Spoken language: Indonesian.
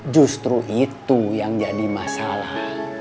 justru itu yang jadi masalah